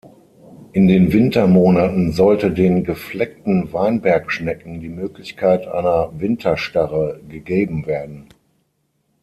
In den Wintermonaten sollte den Gefleckten Weinbergschnecken die Möglichkeit einer Winterstarre gegeben werden.